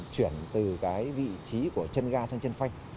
chuyển từ cái vị trí của chân ga sang chân phanh